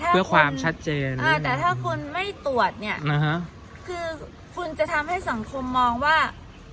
แต่ถ้าคุณอ่าแต่ถ้าคุณไม่ตรวจเนี่ยอ่าคือคุณจะทำให้สังคมมองว่า